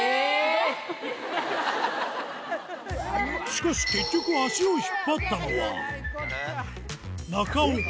しかし、結局、足を引っ張ったのは、中岡。